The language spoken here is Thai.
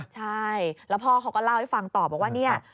ใช่แล้วพ่อเขาก็เล่าให้ฟังต่อบอกว่าเนี่ย